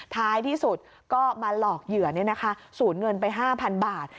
ท้ายที่สุดก็มาหลอกเหยื่อสูญเงินไป๕๐๐บาท